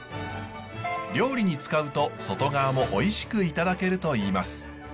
料理に使うと外側もおいしくいただけるといいます。